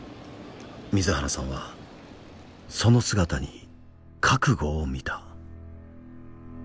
水原さんはその姿に覚悟を見た。